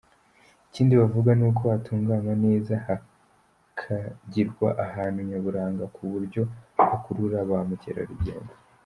Ikindi bavuga ni uko hatunganywa neza hakagirwa ahantu nyaburanga ku buryo hakurura ba mukerarugendo.